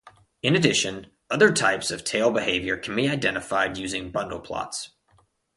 In addition, other types of tail behavior can be identified using bundle plots.